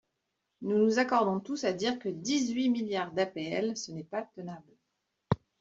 Nous nous accordons tous à dire que dix-huit milliards d’APL, ce n’est pas tenable.